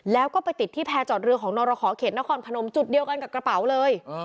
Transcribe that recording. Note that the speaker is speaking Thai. แล้วก็ไปติดที่แพร่จอดเรือของนรขอเขตนครพนมจุดเดียวกันกับกระเป๋าเลย